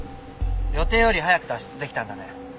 予定より早く脱出できたんだね。